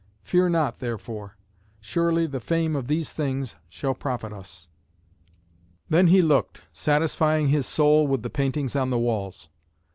Fear not, therefore. Surely the fame of these things shall profit us." Then he looked, satisfying his soul with the paintings on the walls.